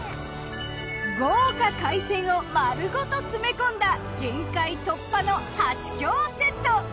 豪華海鮮を丸ごと詰め込んだ限界突破のはちきょうセット。